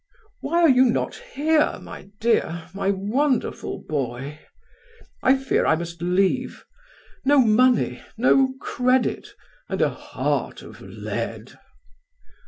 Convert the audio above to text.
Why are you not here, my dear, my wonderful boy? I fear I must leave no money, no credit, and a heart of lead.